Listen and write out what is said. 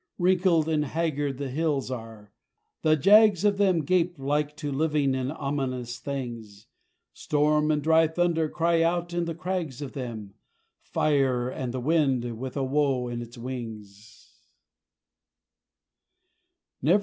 Wrinkled and haggard the hills are the jags of them Gape like to living and ominous things: Storm and dry thunder cry out in the crags of them Fire, and the wind with a woe in its wings.